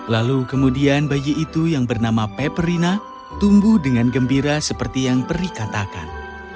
lalu kemudian bayi itu yang bernama peperina tumbuh dengan gembira seperti yang peri katakan